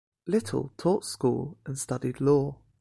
Little taught school and studied law.